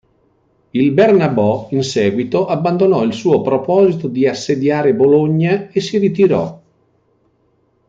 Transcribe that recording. Il Bernabò in seguito abbandonò il suo proposito di assediare Bologna e si ritirò.